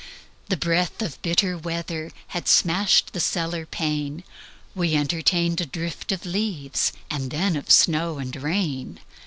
The breath of bitter weather Had smashed the cellar pane: We entertained a drift of leaves And then of snow and rain.